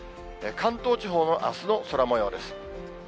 関東地方のあすの空もようです。